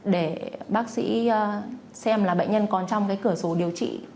để bác sĩ xem là bệnh nhân còn trong cái cửa sổ điều trị